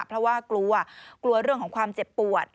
เพราะว่ากลัวกลัวเรื่องของความเจ็บปวด